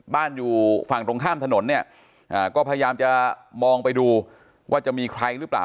อยู่ฝั่งตรงข้ามถนนเนี่ยก็พยายามจะมองไปดูว่าจะมีใครหรือเปล่า